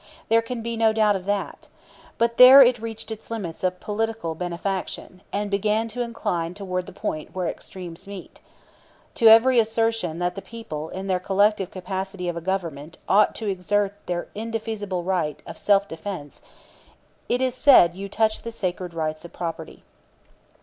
There can be no doubt of that. But there it reached its limit of political benefaction, and began to incline toward the point where extremes meet. ... To every assertion that the people in their collective capacity of a government ought to exert their indefeasible right of self defense, it is said you touch the sacred rights of property."